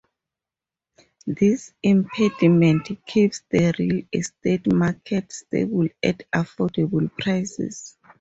This impediment keeps the real-estate market stable at affordable prices.